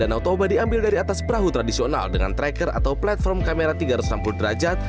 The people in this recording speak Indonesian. danau toba diambil dari atas perahu tradisional dengan tracker atau platform kamera tiga ratus enam puluh derajat